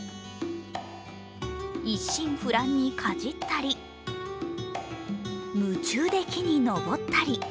一心不乱にかじったり、夢中で木に登ったり。